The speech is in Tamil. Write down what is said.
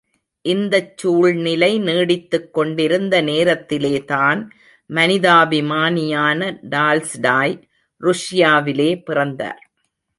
இந்தச் சூழ்நிலை நீடித்துக் கொண்டிருந்த நேரத்திலேதான் மனிதாபிமானியான டால்ஸ்டாய் ருஷ்யாவிலே பிறந்தார்.